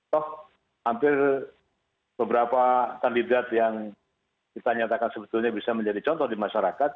toh hampir beberapa kandidat yang kita nyatakan sebetulnya bisa menjadi contoh di masyarakat